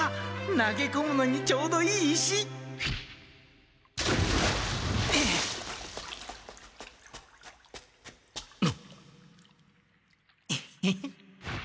投げこむのにちょうどいい石！エッへへ。